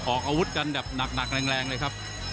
ออกอาวุธกันแบบหนักแรงเลยครับ